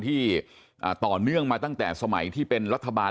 ต่อเนื่องมาตั้งแต่สมัยที่เป็นรัฐบาล